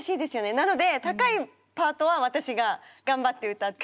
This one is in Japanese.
なので高いパートは私が頑張って歌って分かります？